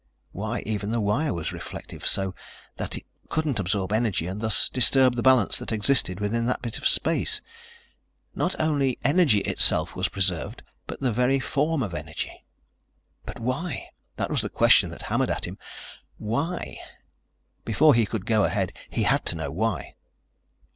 Why, even the wire was reflective, so that it couldn't absorb energy and thus disturb the balance that existed within that bit of space. Not only energy itself was preserved, but the very form of energy. But why? That was the question that hammered at him. Why? Before he could go ahead, he had to know why.